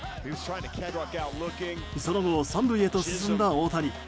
その後、３塁へと進んだ大谷。